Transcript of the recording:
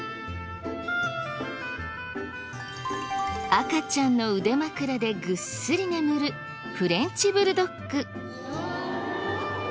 赤ちゃんの腕枕でぐっすり眠るフレンチ・ブルドッグ。